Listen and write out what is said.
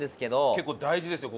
結構大事ですよ